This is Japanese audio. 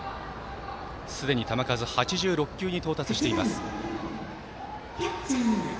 すでに球数８６球に到達しています。